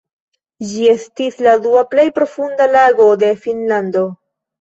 Ĝi estis la dua plej profunda lago de Finnlando.